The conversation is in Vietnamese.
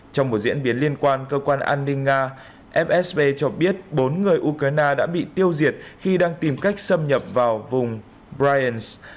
trong một diễn biến liên quan cơ quan an ninh nga fsb cho biết bốn người ukraine đã bị tiêu diệt khi đang tìm cách xâm nhập vào vùng briens